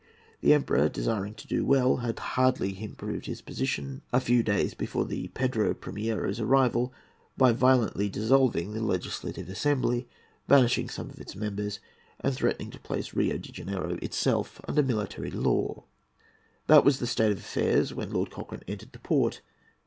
The Emperor, desiring to do well, had hardly improved his position, a few days before the Pedro Primiero's arrival, by violently dissolving the Legislative Assembly, banishing some of its members, and threatening to place Rio de Janeiro itself under military law. That was the state of affairs when Lord Cochrane entered the port.